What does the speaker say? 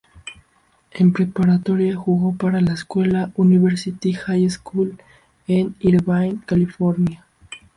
En preparatoria jugó para la escuela University High School en Irvine, California.